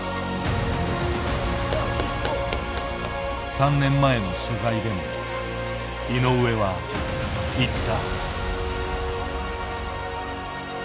３年前の取材でも井上は、言った。